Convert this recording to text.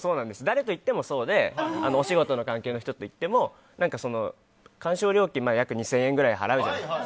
誰と行ってもそうでお仕事の関係の人と行っても鑑賞料金、約２０００円くらい払うじゃないですか。